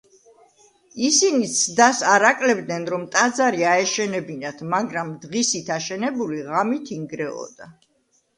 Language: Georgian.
ისინი ცდას არ აკლებდნენ, რომ ტაძარი აეშენებინათ, მაგრამ დღისით აშენებული ღამით ინგრეოდა.